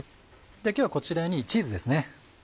今日はこちらにチーズですね。